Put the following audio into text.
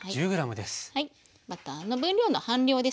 バターの分量の半量ですね